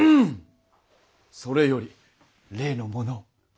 それより例のものを。